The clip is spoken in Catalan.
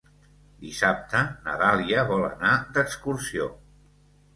Dissabte na Dàlia vol anar d'excursió.